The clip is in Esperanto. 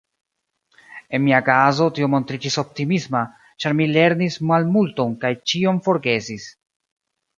En mia kazo tio montriĝis optimisma, ĉar mi lerrnis malmulton kaj ĉion forgesis.